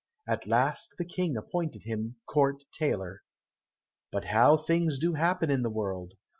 At last the King appointed him court tailor. But how things do happen in the world!